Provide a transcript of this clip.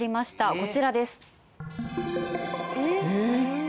こちらです。